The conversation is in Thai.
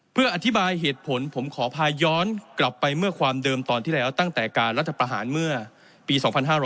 เพื่ออธิบายเหตุผลผมขอพาย้อนกลับไปเมื่อความเดิมตอนที่แล้วตั้งแต่การรัฐประหารเมื่อปี๒๕๕๙